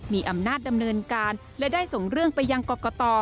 มีอำนาจดำเนินการและได้ส่งเรื่องไปยังกรกต